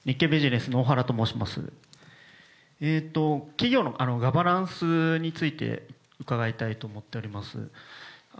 企業のガバナンスについて、伺いたいと思っております。